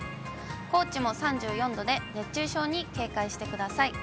高知も３４度で、熱中症に警戒してください。